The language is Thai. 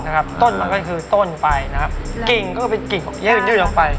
นะครับต้นมันก็คือต้นใบนะครับกลิ่งก็เป็นกลิ่งของเยื่อนดูดลงไป